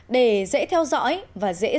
để dễ theo dõi và dễ dàng truyền thông